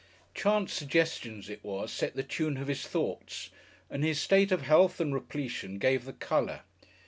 Chance suggestions it was set the tune of his thoughts, and his state of health and repletion gave the colour.